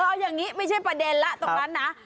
เอาอย่างนี้ไม่ใช่ประเด็นแล้วตรงนั้นนะ